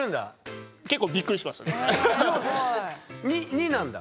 ２なんだ。